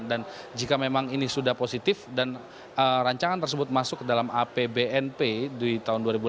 dan jika memang ini sudah positif dan rancangan tersebut masuk ke dalam apbnp di tahun dua ribu delapan belas